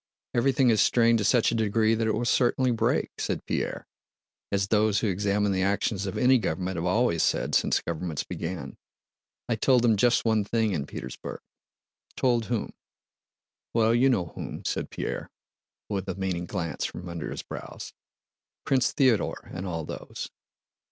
Everything is strained to such a degree that it will certainly break," said Pierre (as those who examine the actions of any government have always said since governments began). "I told them just one thing in Petersburg." "Told whom?" "Well, you know whom," said Pierre, with a meaning glance from under his brows. "Prince Theodore and all those.